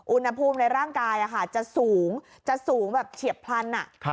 อุณหภูมิในร่างกายจะสูงจะสูงแบบเฉียบพลัน